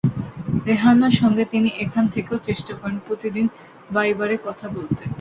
রেহানার সঙ্গে তিনি এখান থেকেও চেষ্টা করেন প্রতিদিন ভাইবারে কথা বলতে।